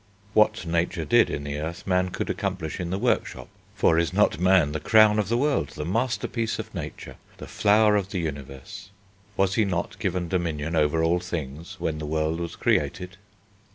What nature did in the earth man could accomplish in the workshop. For is not man the crown of the world, the masterpiece of nature, the flower of the universe; was he not given dominion over all things when the world was created?